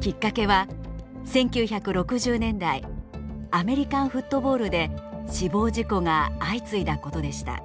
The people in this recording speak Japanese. きっかけは１９６０年代アメリカンフットボールで死亡事故が相次いだことでした。